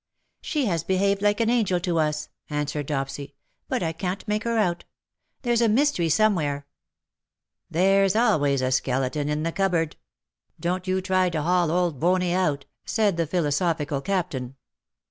''" She has behaved like an angel to us/' answered Dopsy, "but I can't make her out. There's a mystery somewhere." " There's always a skeleton in the cupboard. 310 WE HAVE DONE WITH Don^t you try to haul old Bony out/' said the philosophical Captain.